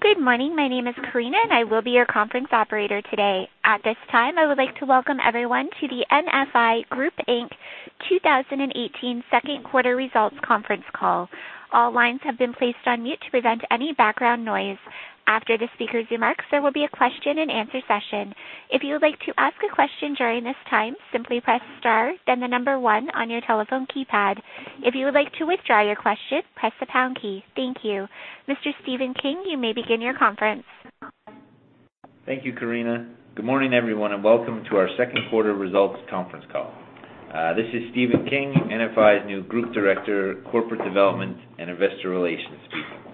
Good morning. My name is Karina, and I will be your conference operator today. At this time, I would like to welcome everyone to the NFI Group Inc. 2018 second quarter results conference call. All lines have been placed on mute to prevent any background noise. After the speaker's remarks, there will be a question and answer session. If you would like to ask a question during this time, simply press star, then the number 1 on your telephone keypad. If you would like to withdraw your question, press the pound key. Thank you. Mr. Stephen King, you may begin your conference. Thank you, Karina. Good morning, everyone. Welcome to our second quarter results conference call. This is Stephen King, NFI's new Group Director, Corporate Development and Investor Relations speaker.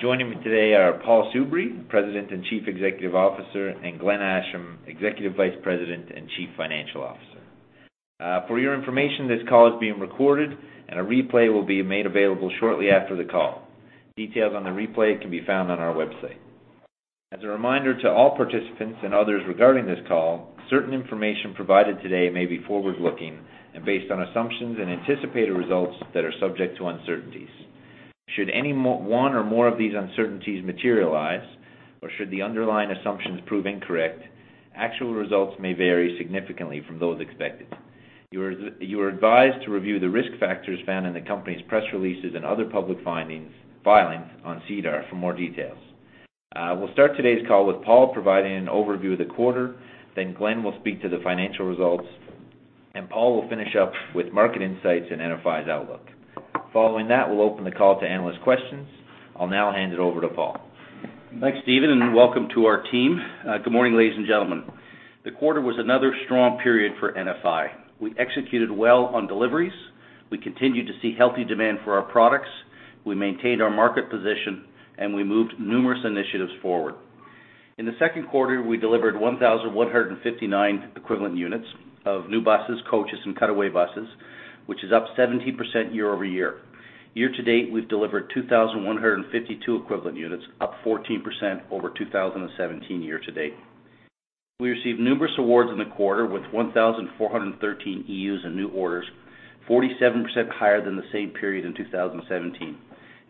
Joining me today are Paul Soubry, President and Chief Executive Officer, and Glenn Asham, Executive Vice President and Chief Financial Officer. For your information, this call is being recorded. A replay will be made available shortly after the call. Details on the replay can be found on our website. As a reminder to all participants and others regarding this call, certain information provided today may be forward-looking and based on assumptions and anticipated results that are subject to uncertainties. Should any one or more of these uncertainties materialize, or should the underlying assumptions prove incorrect, actual results may vary significantly from those expected. You are advised to review the risk factors found in the company's press releases and other public filings on SEDAR for more details. We'll start today's call with Paul providing an overview of the quarter. Glenn will speak to the financial results. Paul will finish up with market insights and NFI's outlook. Following that, we'll open the call to analyst questions. I'll now hand it over to Paul. Thanks, Stephen. Welcome to our team. Good morning, ladies and gentlemen. The quarter was another strong period for NFI. We executed well on deliveries. We continued to see healthy demand for our products. We maintained our market position. We moved numerous initiatives forward. In the second quarter, we delivered 1,159 Equivalent Units of new buses, coaches, and cutaway buses, which is up 17% year-over-year. Year-to-date, we've delivered 2,152 Equivalent Units, up 14% over 2017 year-to-date. We received numerous awards in the quarter with 1,413 EUs and new orders, 47% higher than the same period in 2017.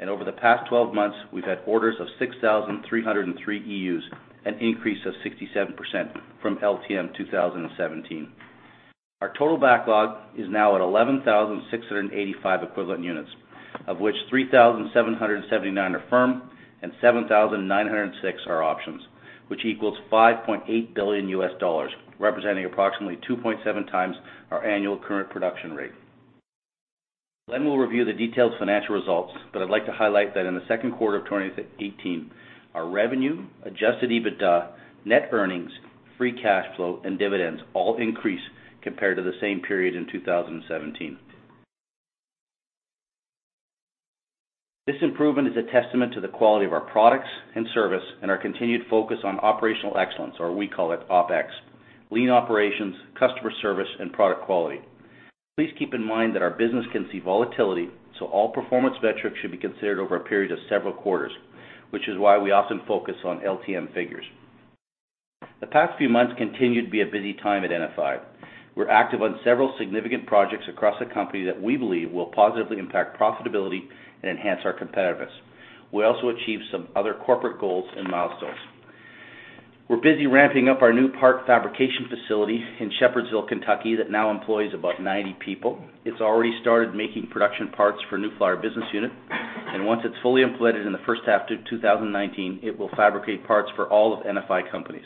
Over the past 12 months, we've had orders of 6,303 EUs, an increase of 67% from LTM 2017. Our total backlog is now at 11,685 Equivalent Units, of which 3,779 are firm and 7,906 are options, which equals $5.8 billion U.S., representing approximately 2.7 times our annual current production rate. Glenn will review the detailed financial results, but I'd like to highlight that in the second quarter of 2018, our revenue, adjusted EBITDA, net earnings, free cash flow, and dividends all increased compared to the same period in 2017. This improvement is a testament to the quality of our products and service and our continued focus on operational excellence, or we call it OpEx, lean operations, customer service, and product quality. Please keep in mind that our business can see volatility, so all performance metrics should be considered over a period of several quarters, which is why we often focus on LTM figures. The past few months continue to be a busy time at NFI. We're active on several significant projects across the company that we believe will positively impact profitability and enhance our competitiveness. We also achieved some other corporate goals and milestones. We're busy ramping up our new parts fabrication facility in Shepherdsville, Kentucky, that now employs about 90 people. It's already started making production parts for New Flyer business unit, and once it's fully implemented in the first half of 2019, it will fabricate parts for all of NFI companies.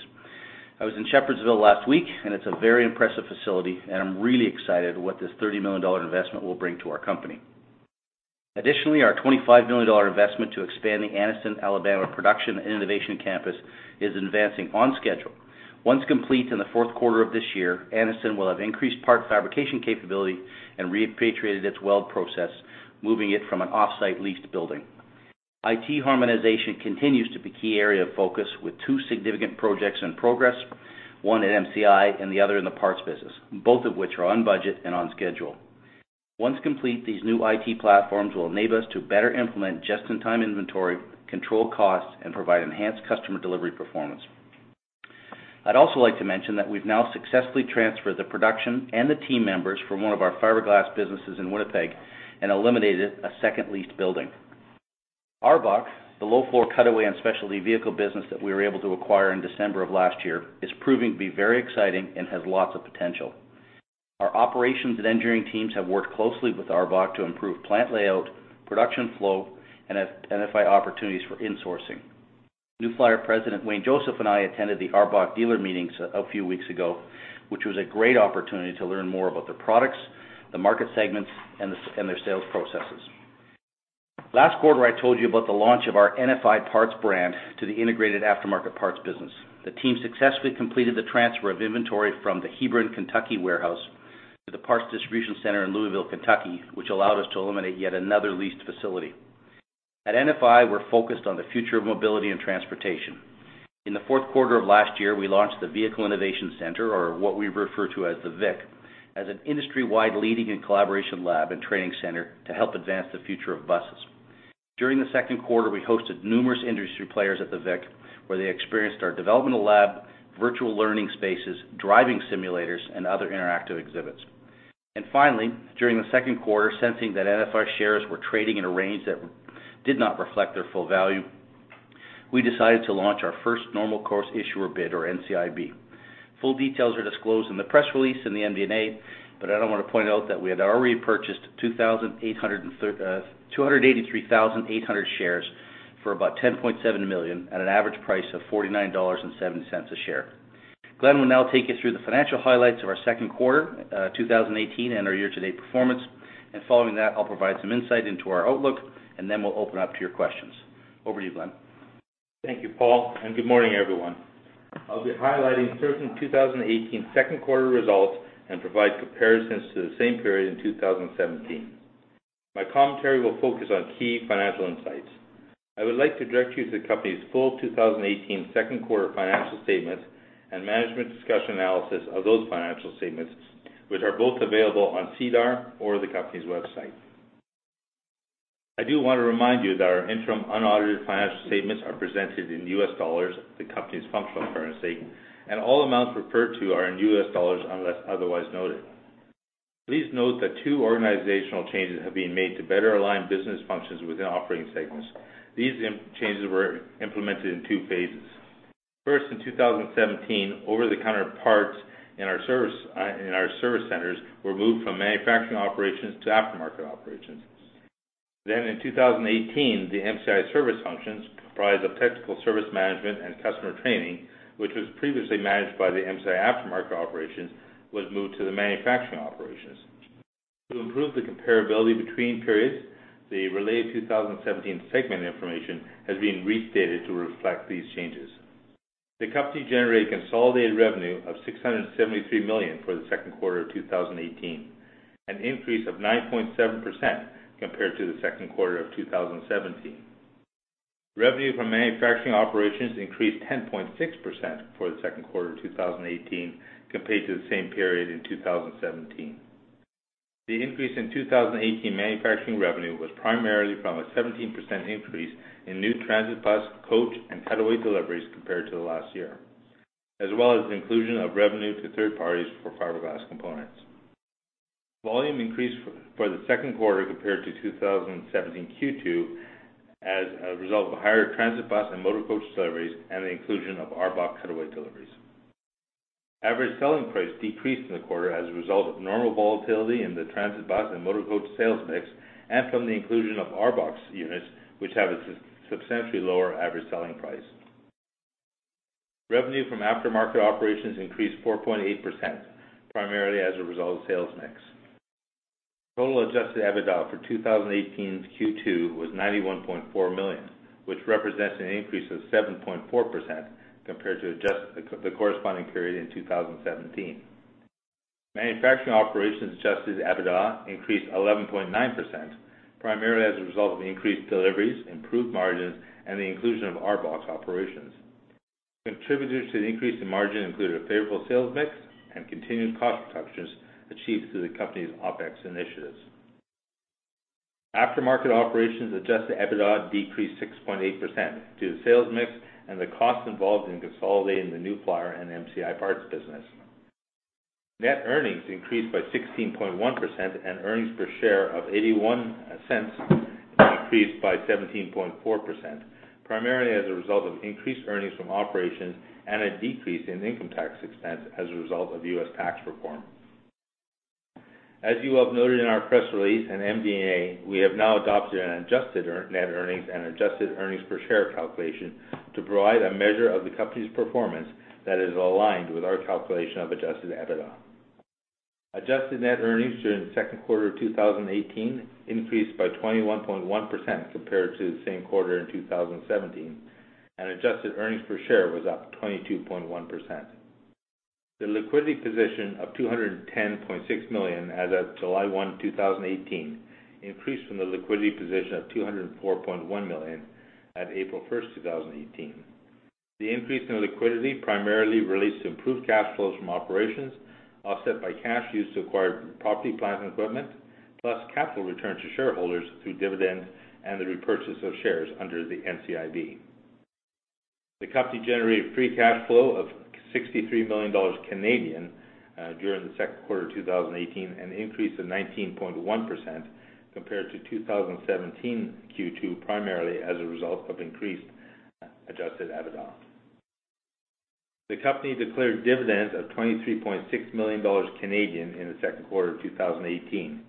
I was in Shepherdsville last week, and it's a very impressive facility, and I'm really excited what this 30 million dollar investment will bring to our company. Additionally, our 25 million dollar investment to expand the Anniston, Alabama, production and innovation campus is advancing on schedule. Once complete in the fourth quarter of this year, Anniston will have increased parts fabrication capability and repatriated its weld process, moving it from an off-site leased building. IT harmonization continues to be a key area of focus with two significant projects in progress, one at MCI and the other in the parts business, both of which are on budget and on schedule. Once complete, these new IT platforms will enable us to better implement just-in-time inventory, control costs, and provide enhanced customer delivery performance. I'd also like to mention that we've now successfully transferred the production and the team members from one of our fiberglass businesses in Winnipeg and eliminated a second leased building. ARBOC, the low-floor cutaway and specialty vehicle business that we were able to acquire in December of last year, is proving to be very exciting and has lots of potential. Our operations and engineering teams have worked closely with ARBOC to improve plant layout, production flow, and identify opportunities for insourcing. New Flyer President Wayne Joseph and I attended the ARBOC dealer meetings a few weeks ago, which was a great opportunity to learn more about their products, the market segments, and their sales processes. Last quarter, I told you about the launch of our NFI Parts brand to the integrated aftermarket parts business. The team successfully completed the transfer of inventory from the Hebron, Kentucky, warehouse to the parts distribution center in Louisville, Kentucky, which allowed us to eliminate yet another leased facility. At NFI, we're focused on the future of mobility and transportation. In the fourth quarter of last year, we launched the Vehicle Innovation Center, or what we refer to as the VIC, as an industry-wide leading and collaboration lab and training center to help advance the future of buses. During the second quarter, we hosted numerous industry players at the VIC, where they experienced our developmental lab, virtual learning spaces, driving simulators, and other interactive exhibits. Finally, during the second quarter, sensing that NFI shares were trading in a range that did not reflect their full value, we decided to launch our first normal course issuer bid, or NCIB. Full details are disclosed in the press release and the MD&A, but I want to point out that we had already purchased 283,800 shares for about $10.7 million at an average price of $49.07 a share. Glenn will now take you through the financial highlights of our second quarter 2018 and our year-to-date performance. Following that, I'll provide some insight into our outlook. Then we'll open up to your questions. Over to you, Glenn. Thank you, Paul, and good morning, everyone. I'll be highlighting certain 2018 second quarter results and provide comparisons to the same period in 2017. My commentary will focus on key financial insights. I would like to direct you to the company's full 2018 second quarter financial statements and management discussion analysis of those financial statements, which are both available on SEDAR or the company's website. I do want to remind you that our interim unaudited financial statements are presented in US dollars, the company's functional currency, and all amounts referred to are in US dollars, unless otherwise noted. Please note that two organizational changes have been made to better align business functions within operating segments. These changes were implemented in two phases. First, in 2017, over-the-counter parts in our service centers were moved from manufacturing operations to aftermarket operations. In 2018, the MCI service functions, comprised of technical service management and customer training, which was previously managed by the MCI aftermarket operations, was moved to the manufacturing operations. To improve the comparability between periods, the related 2017 segment information has been restated to reflect these changes. The company generated consolidated revenue of $673 million for the second quarter of 2018, an increase of 9.7% compared to the second quarter of 2017. Revenue from manufacturing operations increased 10.6% for the second quarter of 2018 compared to the same period in 2017. The increase in 2018 manufacturing revenue was primarily from a 17% increase in new transit bus, coach, and Cutaway deliveries compared to last year, as well as the inclusion of revenue to third parties for fiberglass components. Volume increased for the second quarter compared to 2017 Q2 as a result of higher transit bus and motor coach deliveries, the inclusion of ARBOC Cutaway deliveries. Average selling price decreased in the quarter as a result of normal volatility in the transit bus and motor coach sales mix, from the inclusion of ARBOC units, which have a substantially lower average selling price. Revenue from aftermarket operations increased 4.8%, primarily as a result of sales mix. Total adjusted EBITDA for 2018's Q2 was $91.4 million, which represents an increase of 7.4% compared to the corresponding period in 2017. Manufacturing operations adjusted EBITDA increased 11.9%, primarily as a result of increased deliveries, improved margins, and the inclusion of ARBOC operations. Contributors to the increase in margin included a favorable sales mix and continued cost reductions achieved through the company's OpEx initiatives. Aftermarket operations adjusted EBITDA decreased 6.8% due to sales mix and the cost involved in consolidating the New Flyer and MCI parts business. Net earnings increased by 16.1%, and earnings per share of 0.81 increased by 17.4%, primarily as a result of increased earnings from operations and a decrease in income tax expense as a result of U.S. tax reform. As you have noted in our press release and MD&A, we have now adopted an adjusted net earnings and adjusted earnings per share calculation to provide a measure of the company's performance that is aligned with our calculation of adjusted EBITDA. Adjusted net earnings during the second quarter of 2018 increased by 21.1% compared to the same quarter in 2017, and adjusted earnings per share was up 22.1%. The liquidity position of 210.6 million as of July 1, 2018, increased from the liquidity position of 204.1 million at April 1, 2018. The increase in liquidity primarily relates to improved cash flows from operations, offset by cash used to acquire property, plant, and equipment, plus capital returned to shareholders through dividends and the repurchase of shares under the NCIB. The company generated free cash flow of 63 million Canadian dollars during the second quarter of 2018, an increase of 19.1% compared to 2017 Q2, primarily as a result of increased adjusted EBITDA. The company declared dividends of 23.6 million Canadian dollars in the second quarter of 2018,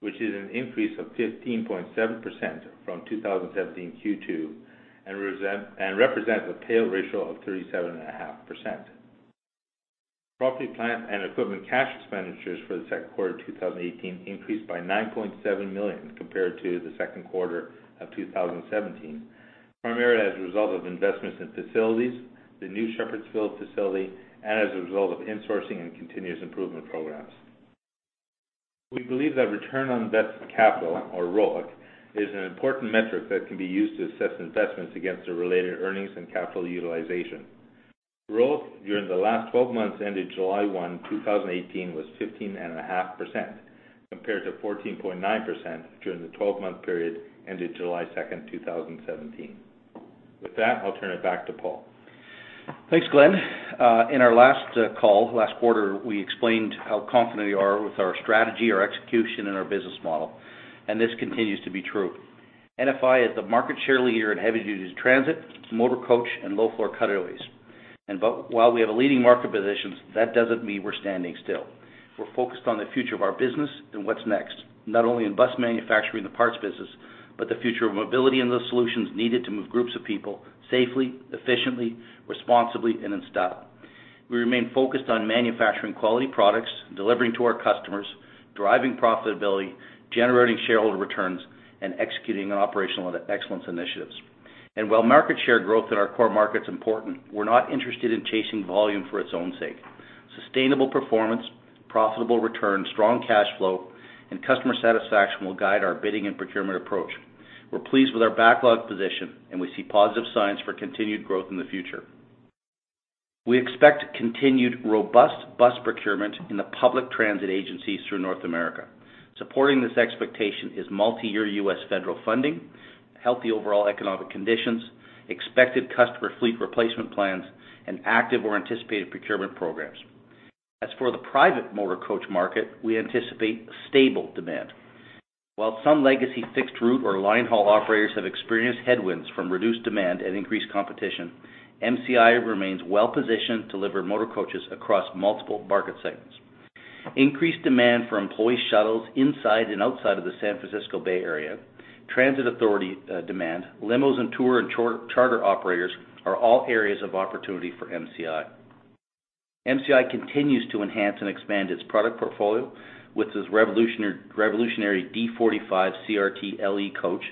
which is an increase of 15.7% from 2017 Q2, and represents a pay-out ratio of 37.5%. Property, plant, and equipment cash expenditures for the second quarter 2018 increased by 9.7 million compared to the second quarter of 2017, primarily as a result of investments in facilities, the new Shepherdsville facility, and as a result of insourcing and continuous improvement programs. We believe that return on invested capital, or ROIC, is an important metric that can be used to assess investments against the related earnings and capital utilization. ROIC during the last 12 months ended July 1, 2018, was 15.5%, compared to 14.9% during the 12-month period ended July 2, 2017. With that, I'll turn it back to Paul. Thanks, Glenn. In our last call, last quarter, we explained how confident we are with our strategy, our execution, and our business model, and this continues to be true. NFI is the market share leader in heavy-duty transit, motor coach, and low-floor cutaways. While we have a leading market position, that doesn't mean we're standing still. We're focused on the future of our business and what's next, not only in bus manufacturing and the parts business, but the future of mobility and the solutions needed to move groups of people safely, efficiently, responsibly, and in style. We remain focused on manufacturing quality products, delivering to our customers, driving profitability, generating shareholder returns, and executing on operational excellence initiatives. While market share growth in our core market's important, we're not interested in chasing volume for its own sake. Sustainable performance, profitable returns, strong cash flow, and customer satisfaction will guide our bidding and procurement approach. We are pleased with our backlog position, and we see positive signs for continued growth in the future. We expect continued robust bus procurement in the public transit agencies through North America. Supporting this expectation is multi-year U.S. federal funding, healthy overall economic conditions, expected customer fleet replacement plans, and active or anticipated procurement programs. As for the private motor coach market, we anticipate stable demand. While some legacy fixed-route or line-haul operators have experienced headwinds from reduced demand and increased competition, MCI remains well-positioned to deliver motor coaches across multiple market segments. Increased demand for employee shuttles inside and outside of the San Francisco Bay Area, transit authority demand, limos, and tour and charter operators are all areas of opportunity for MCI. MCI continues to enhance and expand its product portfolio with its revolutionary D45 CRT LE coach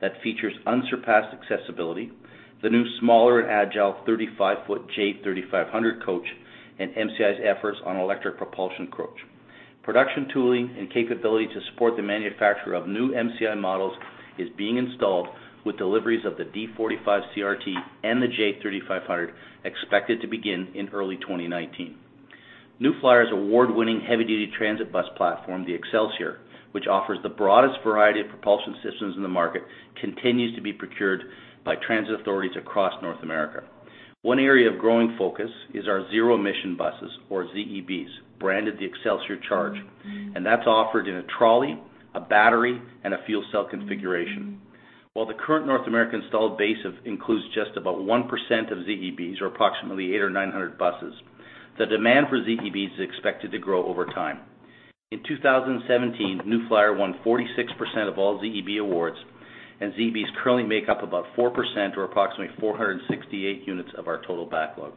that features unsurpassed accessibility, the new smaller and agile 35-foot J3500 coach, and MCI's efforts on electric propulsion coach. Production tooling and capability to support the manufacture of new MCI models is being installed, with deliveries of the D45 CRT and the J3500 expected to begin in early 2019. New Flyer's award-winning heavy-duty transit bus platform, the Xcelsior, which offers the broadest variety of propulsion systems in the market, continues to be procured by transit authorities across North America. One area of growing focus is our zero-emission buses, or ZEBs, branded the Xcelsior CHARGE, and that is offered in a trolley, a battery, and a fuel cell configuration. While the current North American installed base includes just about 1% of ZEBs, or approximately 800 or 900 buses, the demand for ZEBs is expected to grow over time. In 2017, New Flyer won 46% of all ZEB awards, and ZEBs currently make up about 4%, or approximately 468 units of our total backlog.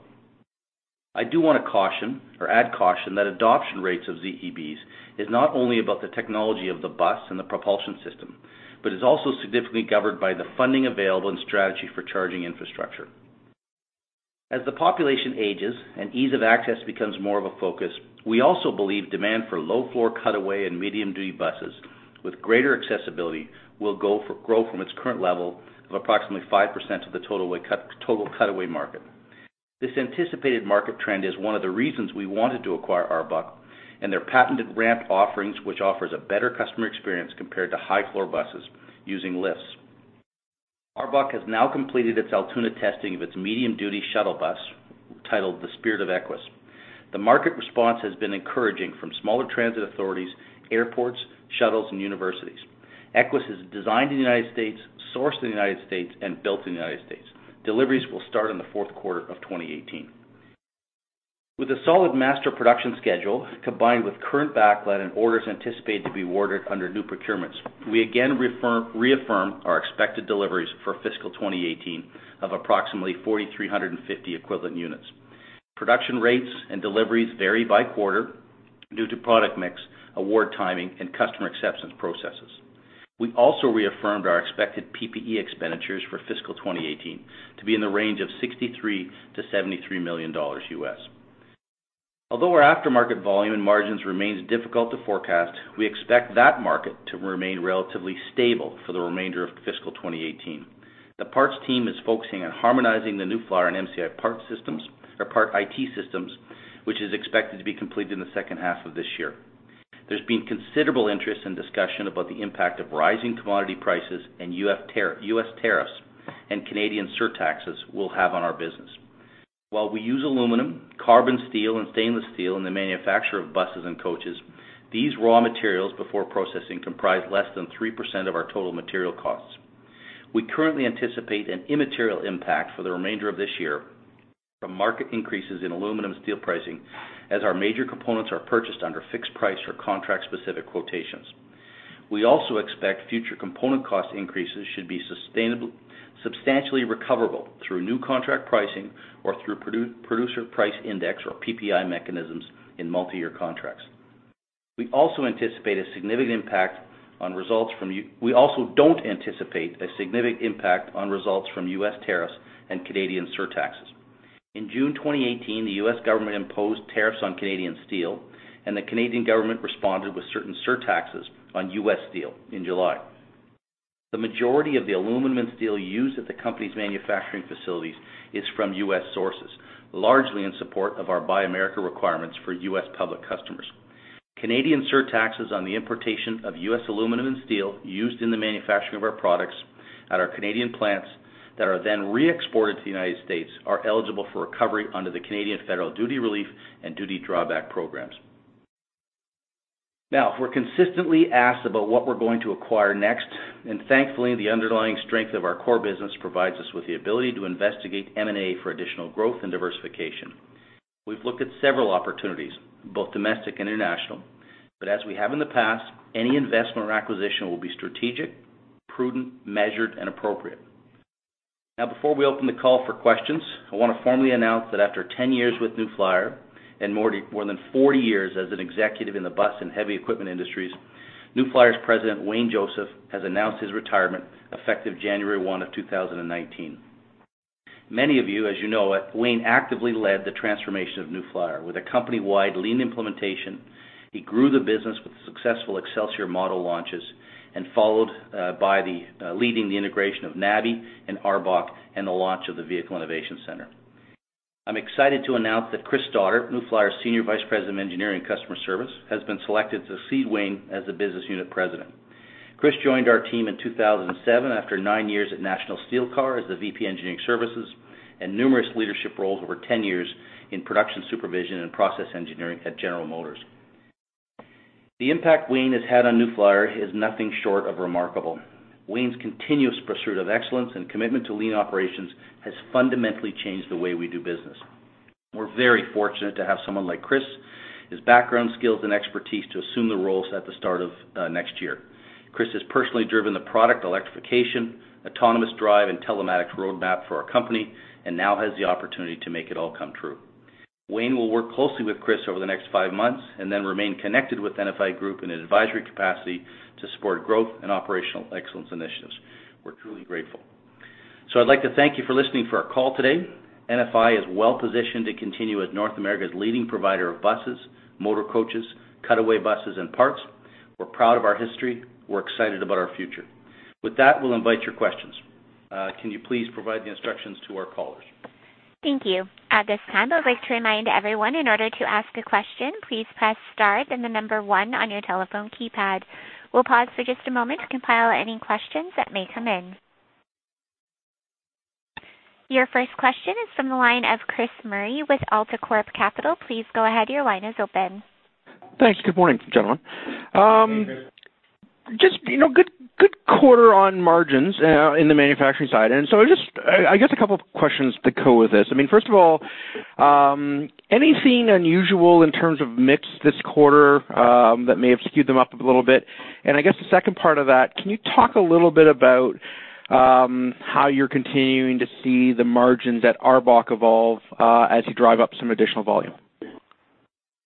I do want to caution, or add caution, that adoption rates of ZEBs is not only about the technology of the bus and the propulsion system, but is also significantly governed by the funding available and strategy for charging infrastructure. As the population ages and ease of access becomes more of a focus, we also believe demand for low-floor cutaway and medium-duty buses with greater accessibility will grow from its current level of approximately 5% of the total cutaway market. This anticipated market trend is one of the reasons we wanted to acquire ARBOC and their patented ramp offerings, which offers a better customer experience compared to high-floor buses using lifts. ARBOC has now completed its Altoona testing of its medium-duty shuttle bus, titled the Spirit of Equess. The market response has been encouraging from smaller transit authorities, airports, shuttles, and universities. Equess is designed in the U.S., sourced in the U.S., and built in the U.S. Deliveries will start in the fourth quarter of 2018. With a solid master production schedule, combined with current backlog and orders anticipated to be awarded under new procurements, we again reaffirm our expected deliveries for fiscal 2018 of approximately 4,350 equivalent units. Production rates and deliveries vary by quarter due to product mix, award timing, and customer acceptance processes. We also reaffirmed our expected PPE expenditures for fiscal 2018 to be in the range of $63 million-$73 million U.S. Although our aftermarket volume and margins remains difficult to forecast, we expect that market to remain relatively stable for the remainder of fiscal 2018. The parts team is focusing on harmonizing the New Flyer and MCI part IT systems, which is expected to be completed in the second half of this year. There's been considerable interest and discussion about the impact of rising commodity prices and U.S. tariffs and Canadian surtaxes will have on our business. While we use aluminum, carbon steel, and stainless steel in the manufacture of buses and coaches, these raw materials before processing comprise less than 3% of our total material costs. We currently anticipate an immaterial impact for the remainder of this year from market increases in aluminum steel pricing, as our major components are purchased under fixed price or contract-specific quotations. We also expect future component cost increases should be substantially recoverable through new contract pricing or through producer price index, or PPI mechanisms, in multi-year contracts. We also don't anticipate a significant impact on results from U.S. tariffs and Canadian surtaxes. In June 2018, the U.S. government imposed tariffs on Canadian steel, and the Canadian government responded with certain surtaxes on U.S. steel in July. The majority of the aluminum and steel used at the company's manufacturing facilities is from U.S. sources, largely in support of our Buy America requirements for U.S. public customers. Canadian surtaxes on the importation of U.S. aluminum and steel used in the manufacturing of our products at our Canadian plants that are then re-exported to the United States are eligible for recovery under the Canadian Federal Duties Relief and Duty Drawback programs. Now, we're consistently asked about what we're going to acquire next, and thankfully, the underlying strength of our core business provides us with the ability to investigate M&A for additional growth and diversification. We've looked at several opportunities, both domestic and international, but as we have in the past, any investment or acquisition will be strategic, prudent, measured, and appropriate. Now, before we open the call for questions, I want to formally announce that after 10 years with New Flyer and more than 40 years as an executive in the bus and heavy equipment industries, New Flyer's president, Wayne Joseph, has announced his retirement effective January 1 of 2019. Many of you, as you know it, Wayne actively led the transformation of New Flyer with a company-wide lean implementation. He grew the business with successful Xcelsior model launches and followed by leading the integration of NABI and ARBOC, and the launch of the Vehicle Innovation Center. I'm excited to announce that Chris Stoddart, New Flyer's Senior Vice President of Engineering and Customer Service, has been selected to succeed Wayne as the business unit president. Chris joined our team in 2007 after nine years at National Steel Car as the VP Engineering Services and numerous leadership roles over 10 years in production supervision and process engineering at General Motors. The impact Wayne has had on New Flyer is nothing short of remarkable. Wayne's continuous pursuit of excellence and commitment to lean operations has fundamentally changed the way we do business. We're very fortunate to have someone like Chris, his background, skills, and expertise to assume the roles at the start of next year. Chris has personally driven the product electrification, autonomous drive, and telematics roadmap for our company and now has the opportunity to make it all come true. Wayne will work closely with Chris over the next five months then remain connected with NFI Group in an advisory capacity to support growth and operational excellence initiatives. We're truly grateful. I'd like to thank you for listening for our call today. NFI is well-positioned to continue as North America's leading provider of buses, motor coaches, cutaway buses, and parts. We're proud of our history. We're excited about our future. With that, we'll invite your questions. Can you please provide the instructions to our callers? Thank you. At this time, I would like to remind everyone in order to ask a question, please press star then the number one on your telephone keypad. We'll pause for just a moment to compile any questions that may come in. Your first question is from the line of Chris Murray with AltaCorp Capital. Please go ahead. Your line is open. Thanks. Good morning, gentlemen. Good morning. Just good quarter on margins in the manufacturing side. Just, I guess a couple of questions to go with this. First of all, anything unusual in terms of mix this quarter that may have skewed them up a little bit? I guess the second part of that, can you talk a little bit about how you're continuing to see the margins at ARBOC evolve as you drive up some additional volume?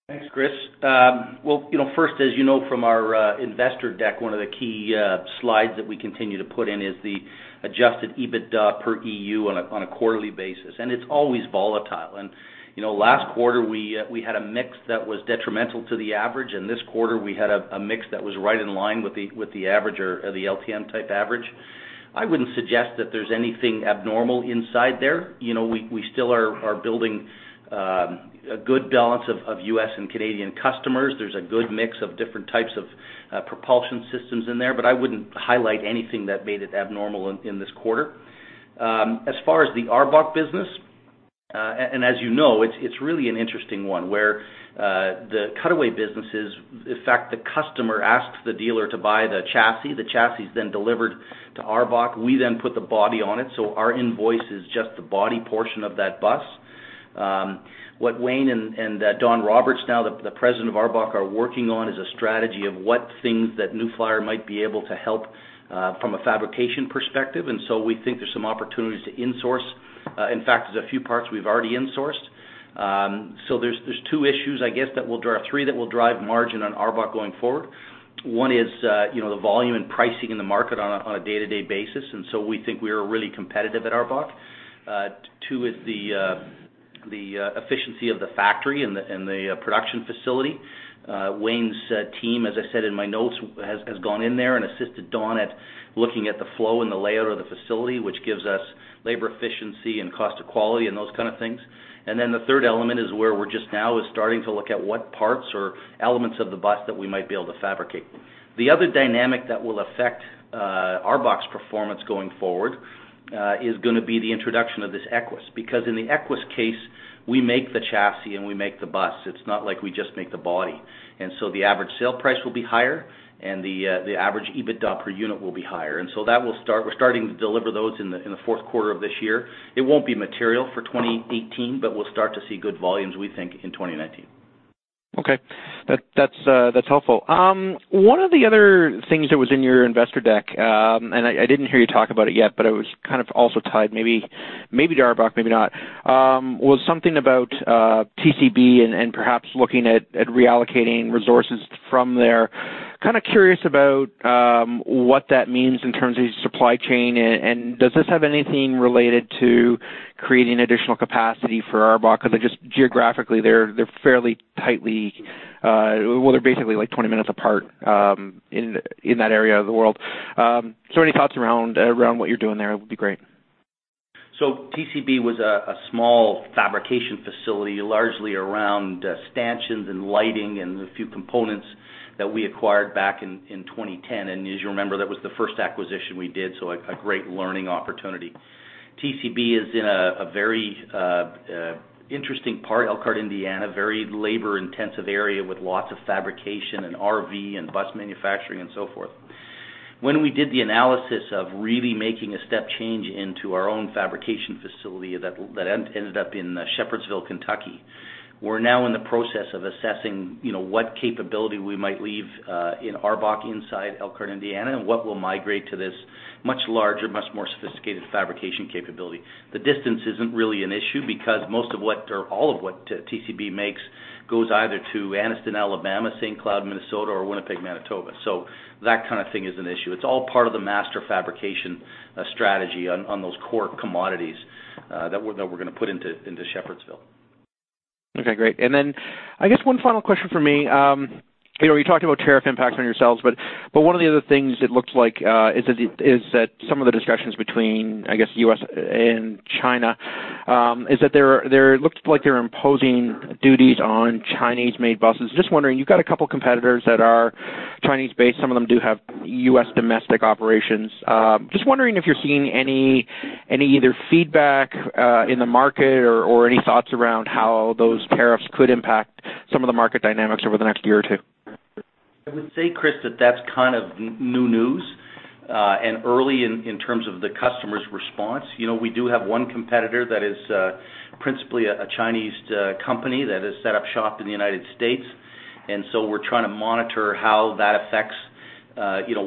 Thanks, Chris. First, as you know from our investor deck, one of the key slides that we continue to put in is the adjusted EBITDA per EU on a quarterly basis. It's always volatile. Last quarter, we had a mix that was detrimental to the average. This quarter we had a mix that was right in line with the average or the LTM type average. I wouldn't suggest that there's anything abnormal inside there. We still are building a good balance of U.S. and Canadian customers. There's a good mix of different types of propulsion systems in there, but I wouldn't highlight anything that made it abnormal in this quarter. As far as the ARBOC business, as you know, it's really an interesting one where the cutaway businesses, in fact, the customer asks the dealer to buy the chassis. The chassis is then delivered to ARBOC. We put the body on it, our invoice is just the body portion of that bus. What Wayne and Don Roberts, now the president of ARBOC, are working on is a strategy of what things that New Flyer might be able to help from a fabrication perspective, we think there's some opportunities to insource. In fact, there's a few parts we've already insourced. There's two issues, I guess, three that will drive margin on ARBOC going forward. One is the volume and pricing in the market on a day-to-day basis, we think we are really competitive at ARBOC. Two is the efficiency of the factory and the production facility. Wayne's team, as I said in my notes, has gone in there and assisted Don at looking at the flow and the layout of the facility, which gives us labor efficiency and cost of quality and those kind of things. The third element is where we're just now starting to look at what parts or elements of the bus that we might be able to fabricate. The other dynamic that will affect ARBOC's performance going forward is going to be the introduction of this Equess, because in the Equess case, we make the chassis and we make the bus. It's not like we just make the body. The average sale price will be higher, and the average EBITDA per unit will be higher. We're starting to deliver those in the fourth quarter of this year. It won't be material for 2018. We'll start to see good volumes, we think, in 2019. Okay. That's helpful. One of the other things that was in your investor deck, and I didn't hear you talk about it yet, but it was kind of also tied maybe to ARBOC, maybe not, was something about TCB and perhaps looking at reallocating resources from there. Curious about what that means in terms of your supply chain. Does this have anything related to creating additional capacity for ARBOC? Because geographically, they're fairly tightly, well, they're basically 20 minutes apart in that area of the world. Any thoughts around what you're doing there would be great. TCB was a small fabrication facility, largely around stanchions and lighting and a few components that we acquired back in 2010. As you remember, that was the first acquisition we did, so a great learning opportunity. TCB is in a very interesting part, Elkhart, Indiana, very labor-intensive area with lots of fabrication and RV and bus manufacturing and so forth. When we did the analysis of really making a step change into our own fabrication facility that ended up in Shepherdsville, Kentucky, we're now in the process of assessing what capability we might leave in ARBOC inside Elkhart, Indiana, and what will migrate to this much larger, much more sophisticated fabrication capability. The distance isn't really an issue because most of what, or all of what TCB makes goes either to Anniston, Alabama, St. Cloud, Minnesota, or Winnipeg, Manitoba. That kind of thing is an issue. It's all part of the master fabrication strategy on those core commodities that we're going to put into Shepherdsville. Okay, great. I guess one final question from me. You talked about tariff impacts on your sales, but one of the other things it looks like is that some of the discussions between, I guess, U.S. and China, is that it looks like they're imposing duties on Chinese-made buses. Just wondering, you've got a couple competitors that are Chinese-based. Some of them do have U.S. domestic operations. Just wondering if you're seeing any either feedback in the market or any thoughts around how those tariffs could impact some of the market dynamics over the next year or two. I would say, Chris, that's kind of new news, early in terms of the customers' response. We do have one competitor that is principally a Chinese company that has set up shop in the United States, so we're trying to monitor how that affects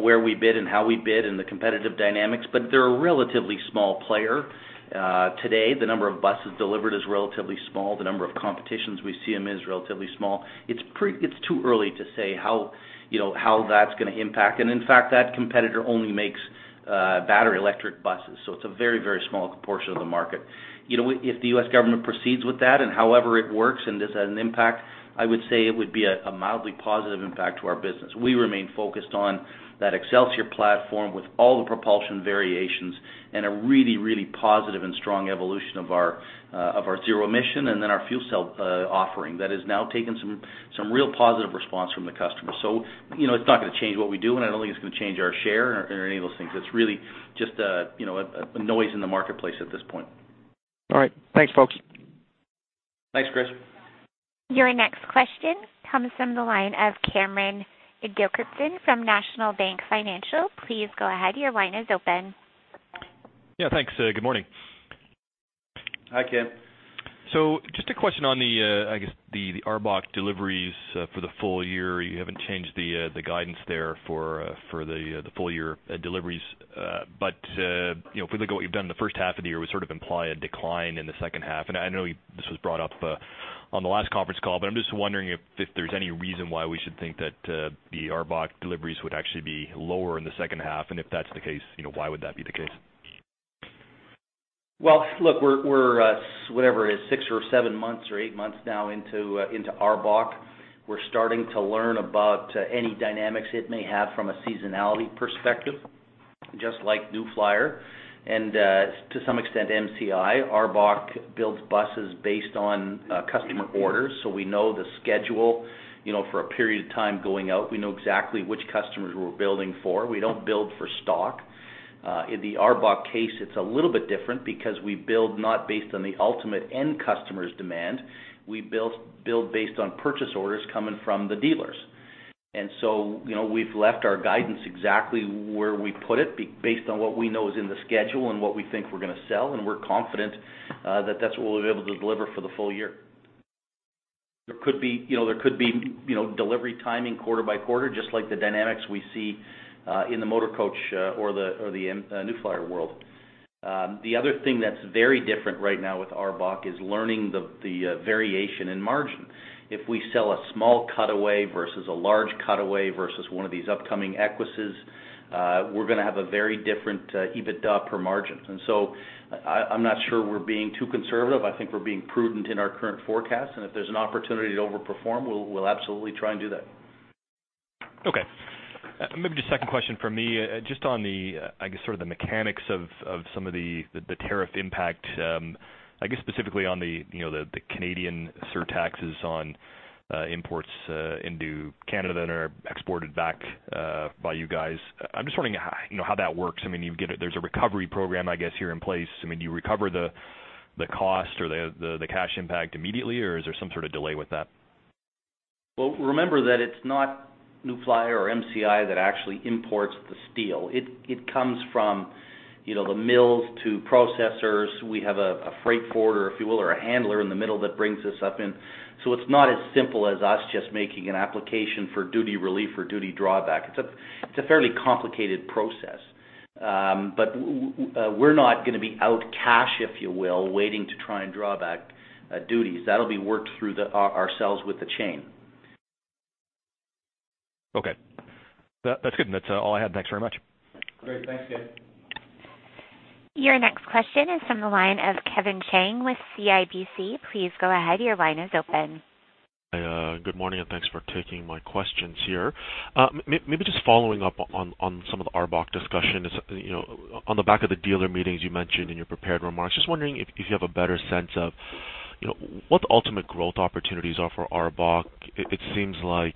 where we bid and how we bid and the competitive dynamics. They're a relatively small player. Today, the number of buses delivered is relatively small. The number of competitions we see them in is relatively small. It's too early to say how that's going to impact. In fact, that competitor only makes battery electric buses, so it's a very small portion of the market. If the U.S. government proceeds with that and however it works, and this has an impact, I would say it would be a mildly positive impact to our business. We remain focused on that Xcelsior platform with all the propulsion variations and a really positive and strong evolution of our zero emission and then our fuel cell offering that has now taken some real positive response from the customer. It's not going to change what we do, I don't think it's going to change our share or any of those things. It's really just a noise in the marketplace at this point. All right. Thanks, folks. Thanks, Chris. Your next question comes from the line of Cameron Doerksen from National Bank Financial. Please go ahead. Your line is open. Yeah, thanks. Good morning. Hi, Cam. Just a question on the, I guess the ARBOC deliveries for the full-year. You haven't changed the guidance there for the full-year deliveries. If we look at what you've done in the first half of the year, we sort of imply a decline in the second half. I know this was brought up on the last conference call, but I'm just wondering if there's any reason why we should think that the ARBOC deliveries would actually be lower in the second half, and if that's the case, why would that be the case? Well, look, we're, whatever it is, six or seven months or eight months now into ARBOC. We're starting to learn about any dynamics it may have from a seasonality perspective, just like New Flyer and, to some extent, MCI. ARBOC builds buses based on customer orders, we know the schedule for a period of time going out. We know exactly which customers we're building for. We don't build for stock. In the ARBOC case, it's a little bit different because we build not based on the ultimate end customer's demand. We build based on purchase orders coming from the dealers. We've left our guidance exactly where we put it based on what we know is in the schedule and what we think we're going to sell, and we're confident that's what we'll be able to deliver for the full-year. There could be delivery timing quarter by quarter, just like the dynamics we see in the motor coach or the New Flyer world. The other thing that's very different right now with ARBOC is learning the variation in margin. If we sell a small cutaway versus a large cutaway versus one of these upcoming Equesses, we're going to have a very different EBITDA per margin. I'm not sure we're being too conservative. I think we're being prudent in our current forecast, and if there's an opportunity to over-perform, we'll absolutely try and do that. Okay. Maybe just a second question from me. Just on the, I guess, sort of the mechanics of some of the tariff impact, I guess specifically on the Canadian surtaxes on imports into Canada that are exported back by you guys. I'm just wondering how that works. I mean, there's a recovery program, I guess, here in place. I mean, do you recover the cost or the cash impact immediately, or is there some sort of delay with that? Well, remember that it's not New Flyer or MCI that actually imports the steel. It comes from the mills to processors. We have a freight forwarder, if you will, or a handler in the middle that brings this up in. It's not as simple as us just making an application for duty relief or duty drawback. It's a fairly complicated process. We're not going to be out cash, if you will, waiting to try and draw back duties. That'll be worked through ourselves with the chain. Okay. That's good. That's all I had. Thanks very much. Great. Thanks, Cam. Your next question is from the line of Kevin Chiang with CIBC. Please go ahead. Your line is open. Good morning. Thanks for taking my questions here. Maybe just following up on some of the ARBOC discussion. On the back of the dealer meetings you mentioned in your prepared remarks, just wondering if you have a better sense of what the ultimate growth opportunities are for ARBOC. It seems like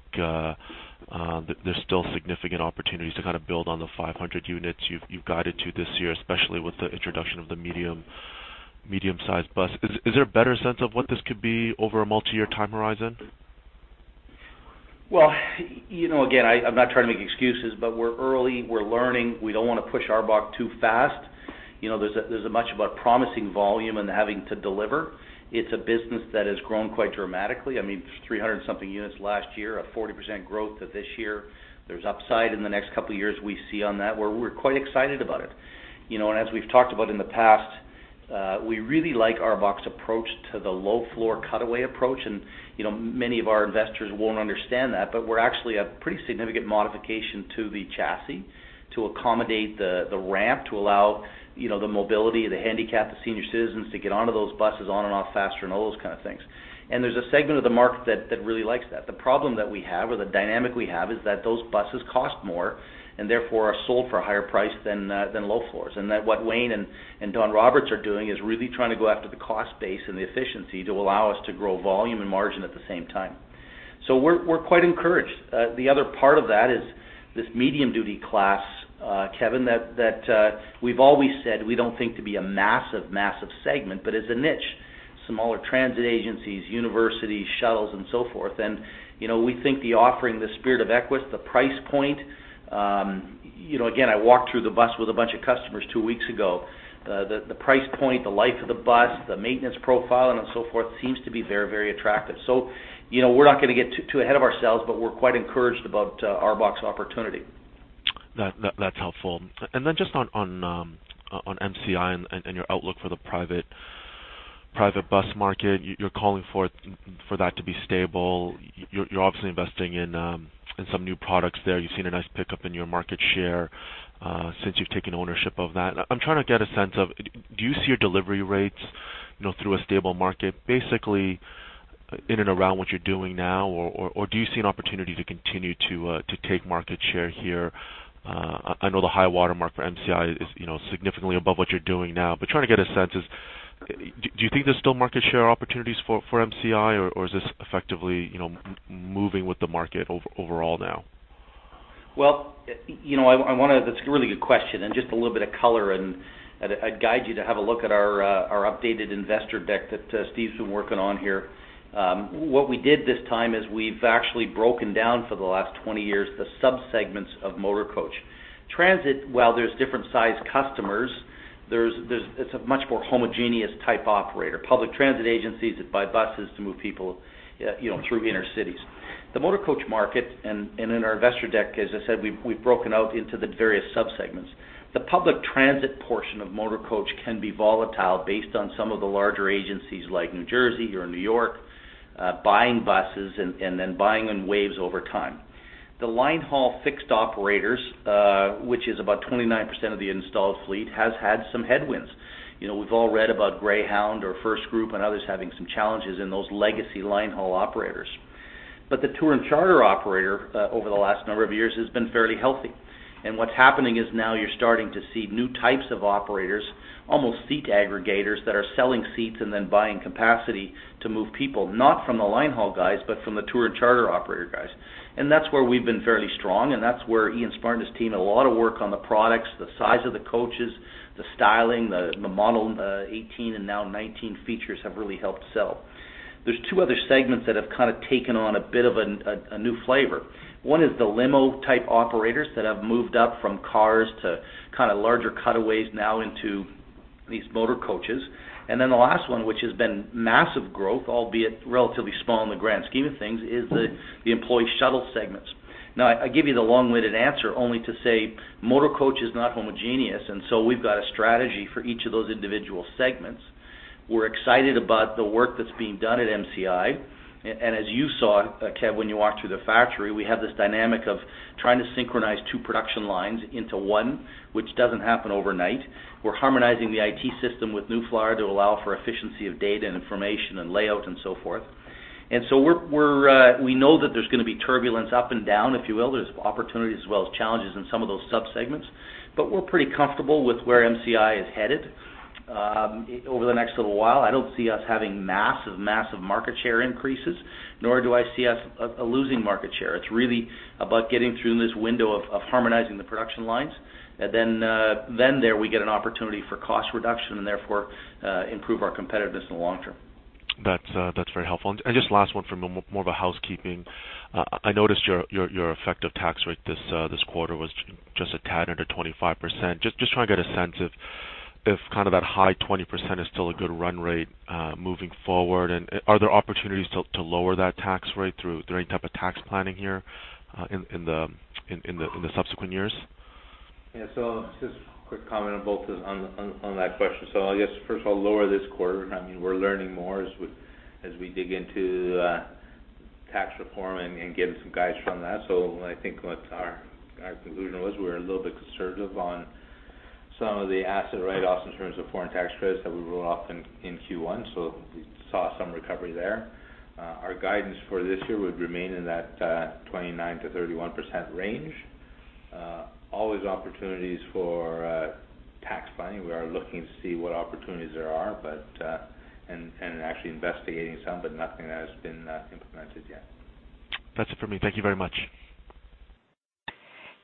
there's still significant opportunities to build on the 500 units you've guided to this year, especially with the introduction of the medium-sized bus. Is there a better sense of what this could be over a multi-year time horizon? Well, again, I'm not trying to make excuses. We're early. We're learning. We don't want to push ARBOC too fast. There's much about promising volume and having to deliver. It's a business that has grown quite dramatically. There's 300 and something units last year, a 40% growth this year. There's upside in the next couple of years we see on that, where we're quite excited about it. As we've talked about in the past, we really like ARBOC's approach to the low floor cutaway approach. Many of our investors won't understand that. We're actually a pretty significant modification to the chassis to accommodate the ramp to allow the mobility of the handicapped, the senior citizens to get onto those buses on and off faster and all those kind of things. There's a segment of the market that really likes that. The problem that we have or the dynamic we have is that those buses cost more and therefore are sold for a higher price than low floors. That what Wayne and Don Roberts are doing is really trying to go after the cost base and the efficiency to allow us to grow volume and margin at the same time. We're quite encouraged. The other part of that is this medium-duty class, Kevin, that we've always said we don't think to be a massive segment, but is a niche. Smaller transit agencies, universities, shuttles, and so forth. We think the offering, the Spirit of Equess, the price point. Again, I walked through the bus with a bunch of customers two weeks ago. The price point, the life of the bus, the maintenance profile, and so forth seems to be very attractive. We're not going to get too ahead of ourselves, but we're quite encouraged about ARBOC's opportunity. That's helpful. Just on MCI and your outlook for the private bus market, you're calling for that to be stable. You're obviously investing in some new products there. You've seen a nice pickup in your market share since you've taken ownership of that. I'm trying to get a sense of, do you see your delivery rates through a stable market, basically in and around what you're doing now, or do you see an opportunity to continue to take market share here? I know the high-water mark for MCI is significantly above what you're doing now, but trying to get a sense is, do you think there's still market share opportunities for MCI, or is this effectively moving with the market overall now? Well, that's a really good question. Just a little bit of color, and I'd guide you to have a look at our updated investor deck that Steve's been working on here. What we did this time is we've actually broken down for the last 20 years, the subsegments of motor coach. Transit, while there's different size customers, it's a much more homogeneous type operator. Public transit agencies that buy buses to move people through inner cities. The motor coach market, and in our investor deck, as I said, we've broken out into the various subsegments. The public transit portion of motor coach can be volatile based on some of the larger agencies like New Jersey or New York, buying buses and then buying in waves over time. The line haul fixed operators, which is about 29% of the installed fleet, has had some headwinds. We've all read about Greyhound or FirstGroup and others having some challenges in those legacy line haul operators. The tour and charter operator over the last number of years has been fairly healthy. What's happening is now you're starting to see new types of operators, almost seat aggregators that are selling seats and then buying capacity to move people, not from the line haul guys, but from the tour and charter operator guys. That's where we've been fairly strong, and that's where Ian Smart's team, a lot of work on the products, the size of the coaches, the styling, the Model 18, and now 19 features have really helped sell. There's two other segments that have kind of taken on a bit of a new flavor. One is the limo-type operators that have moved up from cars to kind of larger cutaways now into these motor coaches. Then the last one, which has been massive growth, albeit relatively small in the grand scheme of things, is the employee shuttle segments. I give you the long-winded answer only to say motor coach is not homogeneous. We've got a strategy for each of those individual segments. We're excited about the work that's being done at MCI. As you saw, Kev, when you walked through the factory, we have this dynamic of trying to synchronize two production lines into one, which doesn't happen overnight. We're harmonizing the IT system with New Flyer to allow for efficiency of data and information and layout and so forth. We know that there's going to be turbulence up and down, if you will. There's opportunities as well as challenges in some of those subsegments. We're pretty comfortable with where MCI is headed over the next little while. I don't see us having massive market share increases, nor do I see us losing market share. It's really about getting through this window of harmonizing the production lines. There we get an opportunity for cost reduction and therefore improve our competitiveness in the long term. That's very helpful. Just last one for more of a housekeeping. I noticed your effective tax rate this quarter was just a tad under 25%. Just trying to get a sense if kind of that high 20% is still a good run rate moving forward. Are there opportunities to lower that tax rate through any type of tax planning here in the subsequent years? Just a quick comment on that question. I guess, first of all, lower this quarter, we're learning more as we dig into tax reform and getting some guidance from that. I think what our conclusion was, we were a little bit conservative on Some of the asset write-offs in terms of foreign tax credits that we wrote off in Q1, so we saw some recovery there. Our guidance for this year would remain in that 29%-31% range. Always opportunities for tax planning. We are looking to see what opportunities there are and actually investigating some, but nothing that has been implemented yet. That's it for me. Thank you very much.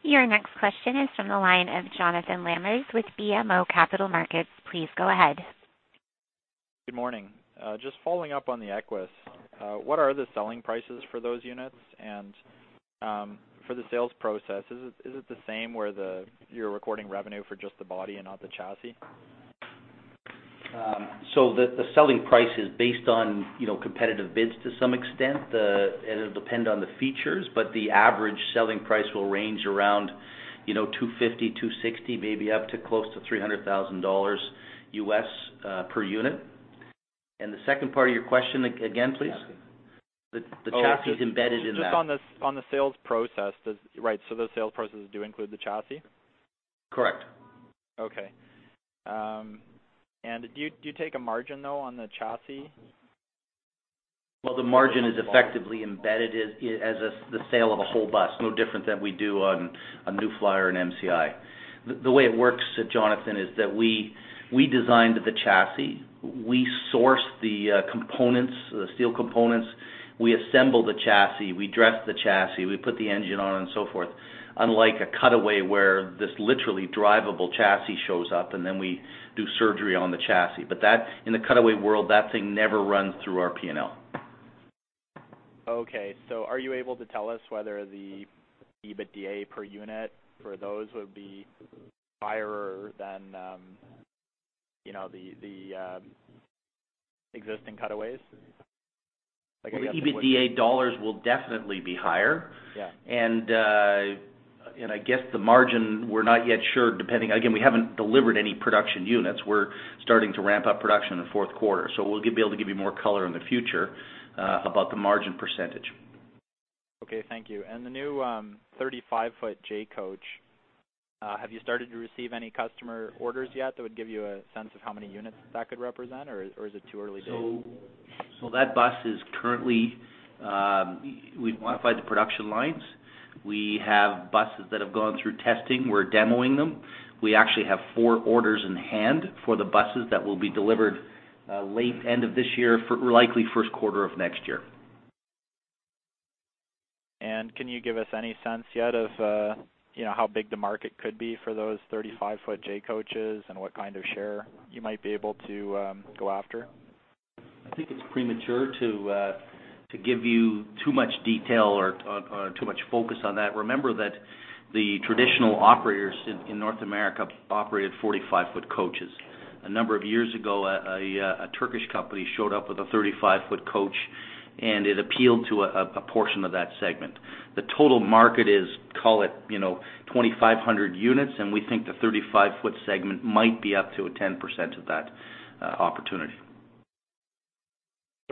Your next question is from the line of Jonathan Lamers with BMO Capital Markets. Please go ahead. Good morning. Just following up on the Equess. What are the selling prices for those units, and for the sales process, is it the same where you're recording revenue for just the body and not the chassis? The selling price is based on competitive bids to some extent, it'll depend on the features, but the average selling price will range around $250,000, $260,000, maybe up to close to $300,000 US per unit. The second part of your question again, please? The chassis. The chassis is embedded in that. Oh, just on the sales process. Right. Those sales processes do include the chassis? Correct. Okay. Do you take a margin, though, on the chassis? Well, the margin is effectively embedded as the sale of a whole bus, no different than we do on a New Flyer and MCI. The way it works, Jonathan, is that we designed the chassis. We source the steel components, we assemble the chassis, we dress the chassis, we put the engine on and so forth, unlike a cutaway where this literally drivable chassis shows up, and then we do surgery on the chassis. In the cutaway world, that thing never runs through our P&L. Okay, are you able to tell us whether the EBITDA per unit for those would be higher than the existing cutaways? The EBITDA dollars will definitely be higher. Yeah. I guess the margin, we're not yet sure. Again, we haven't delivered any production units. We're starting to ramp up production in the fourth quarter. We'll be able to give you more color in the future about the margin percentage. Okay, thank you. The new 35-foot J-Coach, have you started to receive any customer orders yet that would give you a sense of how many units that could represent, or is it too early days? That bus is currently. We've modified the production lines. We have buses that have gone through testing. We're demoing them. We actually have four orders in hand for the buses that will be delivered late end of this year, likely first quarter of next year. Can you give us any sense yet of how big the market could be for those 35-foot J-Coaches and what kind of share you might be able to go after? I think it's premature to give you too much detail or too much focus on that. Remember that the traditional operators in North America operate 45-foot coaches. A number of years ago, a Turkish company showed up with a 35-foot coach, and it appealed to a portion of that segment. The total market is, call it, 2,500 units, and we think the 35-foot segment might be up to 10% of that opportunity.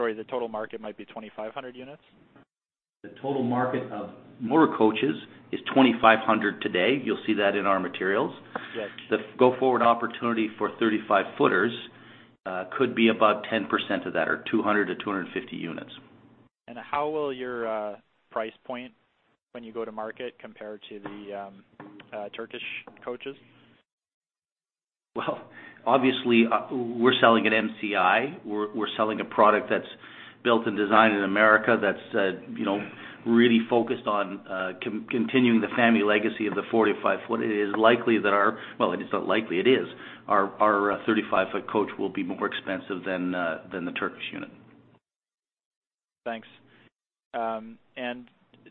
Sorry, the total market might be 2,500 units? The total market of motor coaches is 2,500 today. You'll see that in our materials. Yes. The go-forward opportunity for 35-footers could be about 10% of that, or 200-250 units. How will your price point when you go to market compare to the Turkish coaches? Well, obviously, we are selling at MCI. We are selling a product that is built and designed in America that is really focused on continuing the family legacy of the 45-foot. Well, it is not likely, it is, our 35-foot coach will be more expensive than the Turkish unit. Thanks.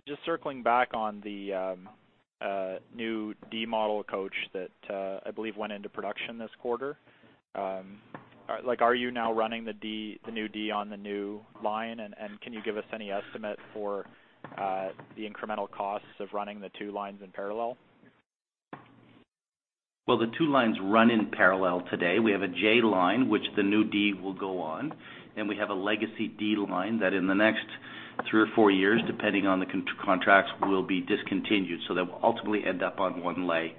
Just circling back on the new D model coach that I believe went into production this quarter. Are you now running the new D on the new line, and can you give us any estimate for the incremental costs of running the two lines in parallel? The two lines run in parallel today. We have a J line, which the new D will go on, and we have a legacy D line that in the next three or four years, depending on the contracts, will be discontinued. That will ultimately end up on one line.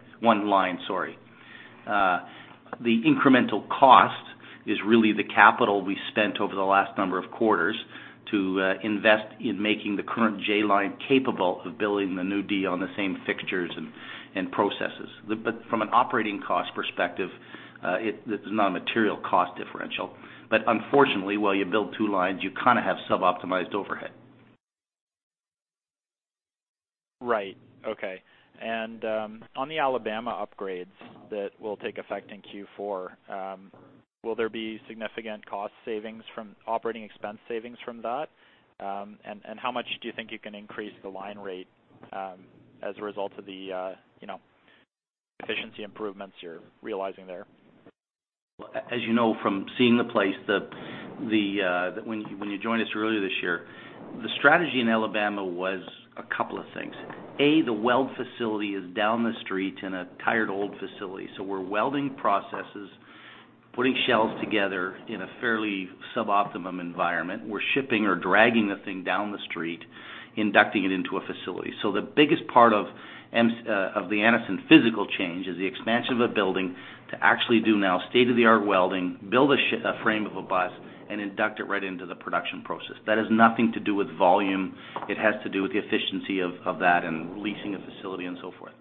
The incremental cost is really the capital we spent over the last number of quarters to invest in making the current J line capable of building the new D on the same fixtures and processes. From an operating cost perspective, it is not a material cost differential. Unfortunately, while you build two lines, you kind of have sub-optimized overhead. Right. Okay. On the Alabama upgrades that will take effect in Q4, will there be significant cost savings from OpEx savings from that? How much do you think you can increase the line rate as a result of the efficiency improvements you're realizing there? As you know from seeing the place when you joined us earlier this year, the strategy in Alabama was a couple of things. A, the weld facility is down the street in a tired, old facility. We're welding processes Putting shells together in a fairly sub-optimum environment. We're shipping or dragging the thing down the street, inducting it into a facility. The biggest part of the Anniston physical change is the expansion of a building to actually do now state-of-the-art welding, build a frame of a bus, and induct it right into the production process. That has nothing to do with volume. It has to do with the efficiency of that and leasing a facility and so forth.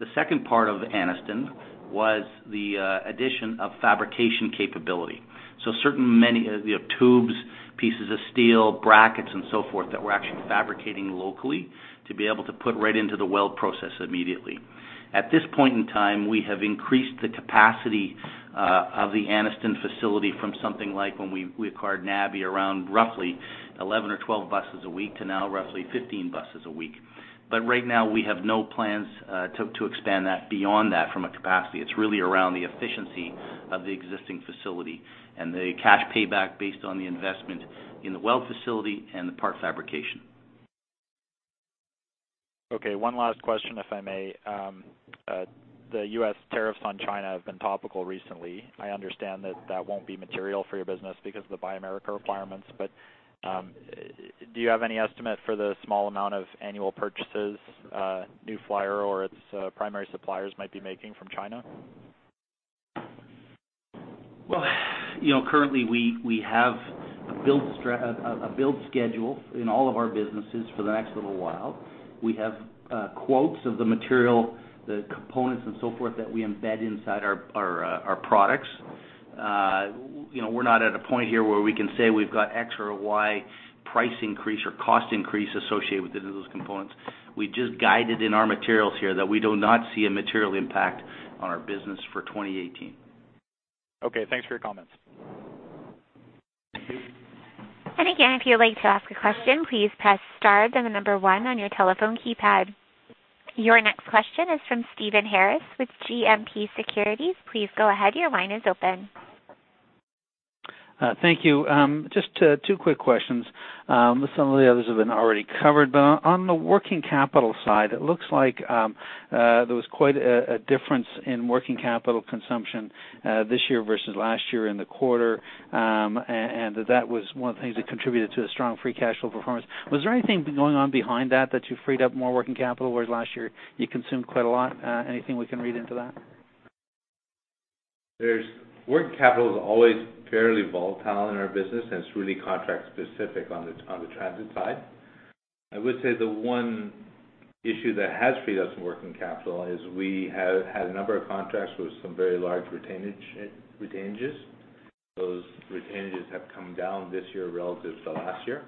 The second part of Anniston was the addition of fabrication capability. Certain tubes, pieces of steel, brackets, and so forth that we're actually fabricating locally to be able to put right into the weld process immediately. At this point in time, we have increased the capacity of the Anniston facility from something like when we acquired NABI around roughly 11 or 12 buses a week to now roughly 15 buses a week. Right now, we have no plans to expand that beyond that from a capacity. It's really around the efficiency of the existing facility and the cash payback based on the investment in the weld facility and the part fabrication. Okay, one last question, if I may. The U.S. tariffs on China have been topical recently. I understand that that won't be material for your business because of the Buy America requirements. Do you have any estimate for the small amount of annual purchases New Flyer or its primary suppliers might be making from China? Well, currently we have a build schedule in all of our businesses for the next little while. We have quotes of the material, the components, and so forth that we embed inside our products. We are not at a point here where we can say we have got X or Y price increase or cost increase associated with any of those components. We just guided in our materials here that we do not see a material impact on our business for 2018. Okay, thanks for your comments. Thank you. Again, if you would like to ask a question, please press star, then the number one on your telephone keypad. Your next question is from Stephen Harris with GMP Securities. Please go ahead. Your line is open. Thank you. Just two quick questions. Some of the others have been already covered. On the working capital side, it looks like there was quite a difference in working capital consumption this year versus last year in the quarter, and that was one of the things that contributed to the strong free cash flow performance. Was there anything going on behind that you freed up more working capital, whereas last year you consumed quite a lot? Anything we can read into that? Working capital is always fairly volatile in our business, and it's really contract specific on the transit side. I would say the one issue that has freed up some working capital is we have had a number of contracts with some very large retainages. Those retainages have come down this year relative to last year.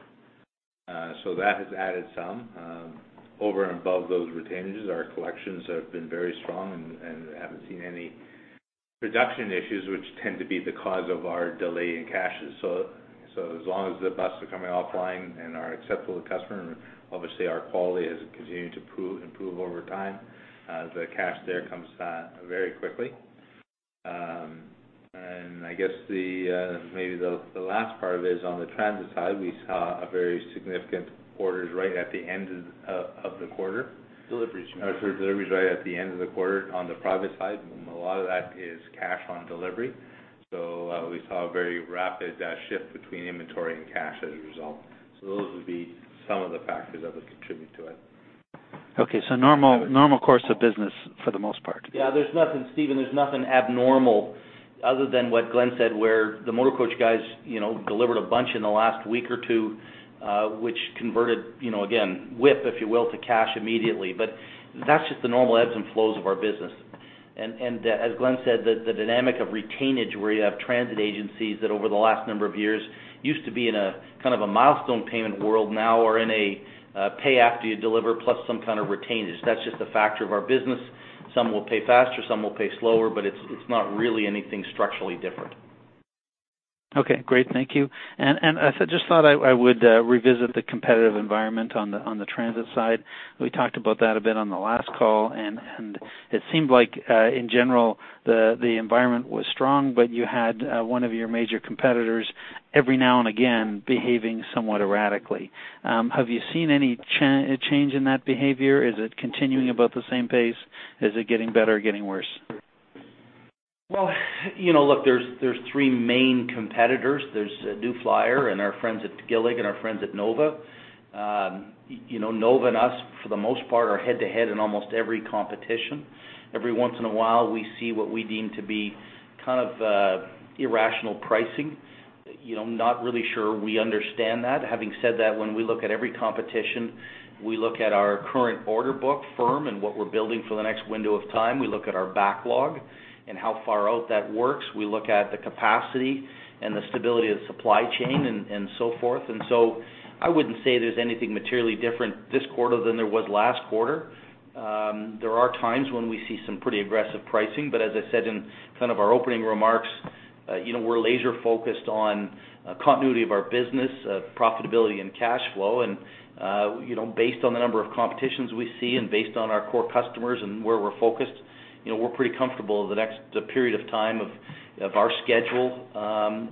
That has added some. Over and above those retainages, our collections have been very strong, and I haven't seen any production issues which tend to be the cause of our delay in cashes. As long as the buses are coming off the line and are acceptable to customer, and obviously our quality is continuing to improve over time, the cash there comes very quickly. I guess maybe the last part of it is on the transit side, we saw very significant deliveries right at the end of the quarter on the private side, and a lot of that is cash on delivery. We saw a very rapid shift between inventory and cash as a result. Those would be some of the factors that would contribute to it. Okay. Normal course of business for the most part. Yeah. Stephen, there's nothing abnormal other than what Glenn said, where the motor coach guys delivered a bunch in the last week or two, which converted again, WIP, if you will, to cash immediately. That's just the normal ebbs and flows of our business. As Glenn said, the dynamic of retainage where you have transit agencies that over the last number of years used to be in a kind of a milestone payment world, now are in a pay after you deliver plus some kind of retainage. That's just the factor of our business. Some will pay faster, some will pay slower, it's not really anything structurally different. Okay, great. Thank you. I just thought I would revisit the competitive environment on the transit side. We talked about that a bit on the last call, it seemed like, in general, the environment was strong, you had one of your major competitors every now and again behaving somewhat erratically. Have you seen any change in that behavior? Is it continuing about the same pace? Is it getting better or getting worse? Well, look, there's three main competitors. There's New Flyer and our friends at Gillig and our friends at Nova. Nova and us, for the most part, are head-to-head in almost every competition. Every once in a while, we see what we deem to be kind of irrational pricing. Not really sure we understand that. Having said that, when we look at every competition, we look at our current order book firm and what we're building for the next window of time. We look at our backlog and how far out that works. We look at the capacity and the stability of the supply chain and so forth. I wouldn't say there's anything materially different this quarter than there was last quarter. There are times when we see some pretty aggressive pricing, as I said in kind of our opening remarks, we're laser-focused on continuity of our business, profitability, and cash flow. Based on the number of competitions we see and based on our core customers and where we're focused, we're pretty comfortable the next period of time of our schedule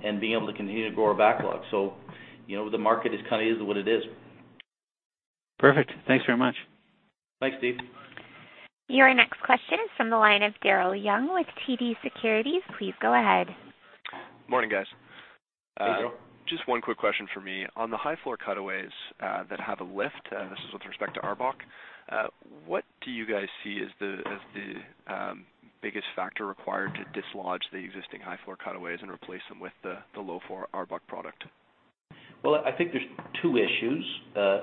and being able to continue to grow our backlog. The market is kind of is what it is. Perfect. Thanks very much. Thanks, Steve. Your next question is from the line of Daryl Young with TD Securities. Please go ahead. Morning, guys. Hey, Daryl. Just one quick question for me. On the high-floor cutaways that have a lift, this is with respect to ARBOC, what do you guys see as the biggest factor required to dislodge the existing high-floor cutaways and replace them with the low-floor ARBOC product? Well, I think there's two issues.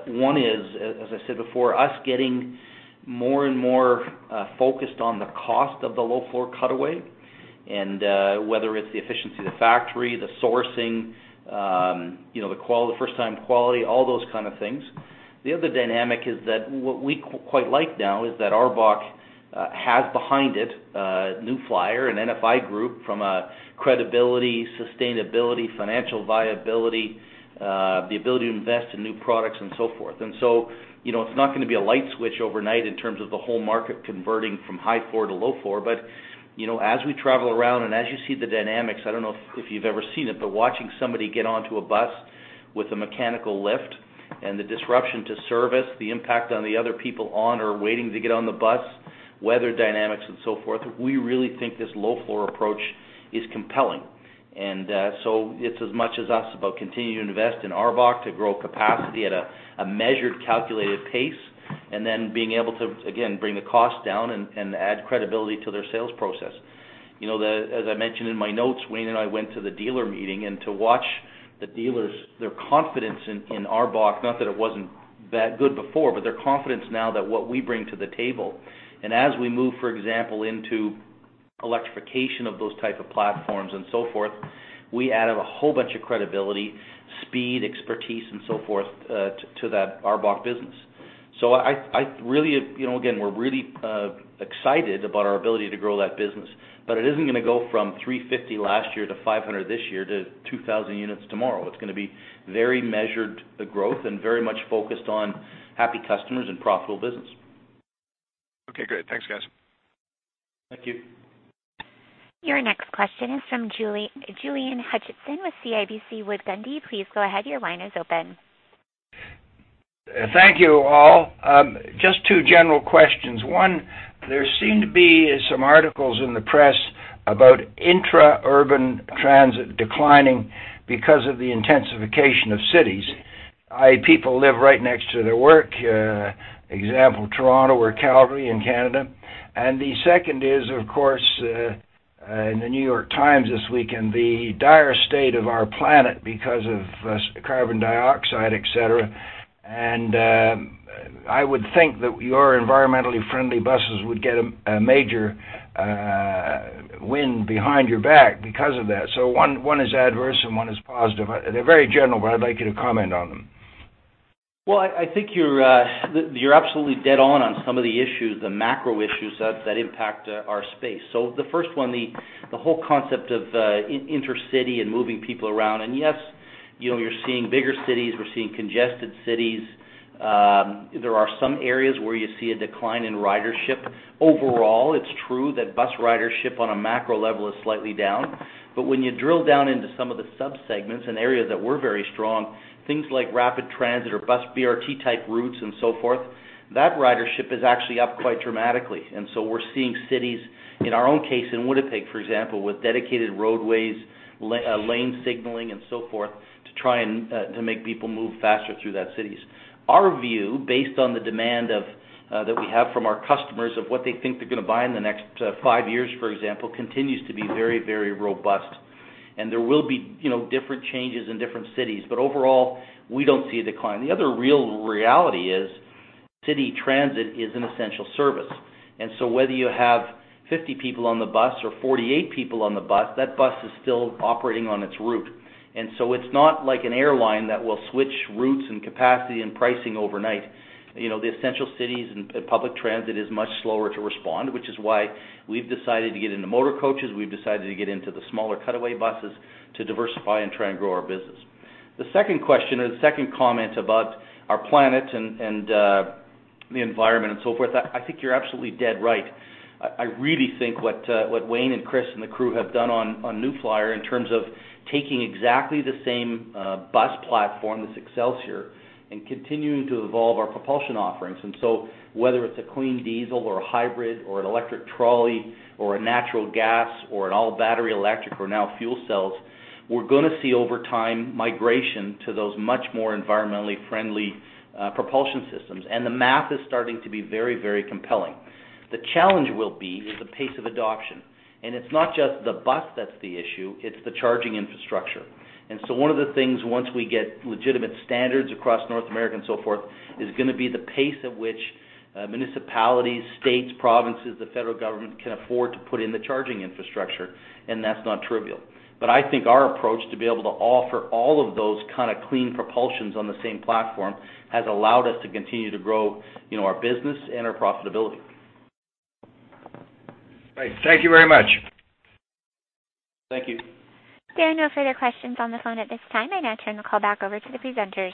One is, as I said before, us getting more and more focused on the cost of the low-floor cutaway and whether it's the efficiency of the factory, the sourcing, the first-time quality, all those kind of things. The other dynamic is that what we quite like now is that ARBOC has behind it New Flyer and NFI Group from a credibility, sustainability, financial viability, the ability to invest in new products, and so forth. It's not going to be a light switch overnight in terms of the whole market converting from high floor to low floor. As we travel around and as you see the dynamics, I don't know if you've ever seen it, but watching somebody get onto a bus with a mechanical lift and the disruption to service, the impact on the other people on or waiting to get on the bus, weather dynamics, and so forth, we really think this low-floor approach is compelling. It's as much as us about continuing to invest in ARBOC to grow capacity at a measured, calculated pace, and then being able to, again, bring the cost down and add credibility to their sales process. As I mentioned in my notes, Wayne and I went to the dealer meeting, and to watch the dealers, their confidence in ARBOC, not that it wasn't that good before, but their confidence now that what we bring to the table. As we move, for example, into electrification of those type of platforms and so forth, we add a whole bunch of credibility, speed, expertise, and so forth to that ARBOC business. Again, we're really excited about our ability to grow that business, but it isn't going to go from 350 last year to 500 this year to 2,000 units tomorrow. It's going to be very measured, the growth, and very much focused on happy customers and profitable business. Okay, great. Thanks, guys. Thank you. Your next question is from Julien Hutchinson with CIBC Wood Gundy. Please go ahead. Your line is open. Thank you, all. Just two general questions. One, there seem to be some articles in the press about intra-urban transit declining because of the intensification of cities. People live right next to their work, example, Toronto or Calgary in Canada. The second is, of course, in The New York Times this weekend, the dire state of our planet because of carbon dioxide, et cetera. I would think that your environmentally friendly buses would get a major wind behind your back because of that. One is adverse and one is positive. They're very general, but I'd like you to comment on them. Well, I think you're absolutely dead on some of the issues, the macro issues that impact our space. The first one, the whole concept of intercity and moving people around, and yes, you're seeing bigger cities, we're seeing congested cities. There are some areas where you see a decline in ridership. Overall, it's true that bus ridership on a macro level is slightly down. When you drill down into some of the subsegments in areas that we're very strong, things like rapid transit or bus BRT type routes and so forth, that ridership is actually up quite dramatically. We're seeing cities, in our own case in Winnipeg, for example, with dedicated roadways, lane signaling, and so forth to try and to make people move faster through that cities. Our view, based on the demand that we have from our customers of what they think they're going to buy in the next five years, for example, continues to be very robust. There will be different changes in different cities. Overall, we don't see a decline. The other real reality is city transit is an essential service. Whether you have 50 people on the bus or 48 people on the bus, that bus is still operating on its route. It's not like an airline that will switch routes and capacity and pricing overnight. The essential cities and public transit is much slower to respond, which is why we've decided to get into motor coaches, we've decided to get into the smaller cutaway buses to diversify and try and grow our business. The second question or the second comment about our planet and the environment and so forth, I think you're absolutely dead right. I really think what Wayne and Chris and the crew have done on New Flyer in terms of taking exactly the same bus platform, this Xcelsior, and continuing to evolve our propulsion offerings. Whether it's a clean diesel or a hybrid or an electric trolley or a natural gas or an all-battery electric or now fuel cells, we're going to see over time migration to those much more environmentally friendly propulsion systems. The math is starting to be very compelling. The challenge will be is the pace of adoption. It's not just the bus that's the issue, it's the charging infrastructure. One of the things, once we get legitimate standards across North America and so forth, is going to be the pace at which municipalities, states, provinces, the federal government can afford to put in the charging infrastructure, and that's not trivial. I think our approach to be able to offer all of those kind of clean propulsions on the same platform has allowed us to continue to grow our business and our profitability. Great. Thank you very much. Thank you. There are no further questions on the phone at this time. I now turn the call back over to the presenters.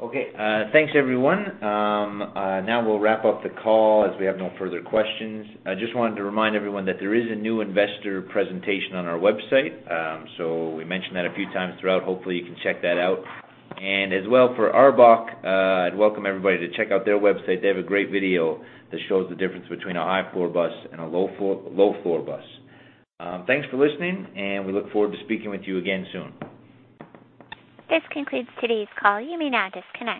Okay. Thanks, everyone. Now we'll wrap up the call as we have no further questions. I just wanted to remind everyone that there is a new investor presentation on our website. We mentioned that a few times throughout. Hopefully, you can check that out. As well for ARBOC, I'd welcome everybody to check out their website. They have a great video that shows the difference between a high-floor bus and a low-floor bus. Thanks for listening, and we look forward to speaking with you again soon. This concludes today's call. You may now disconnect.